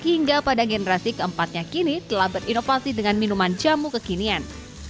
hingga pada generasi keempatnya kini telah berinovasi dengan minuman jamu kekinian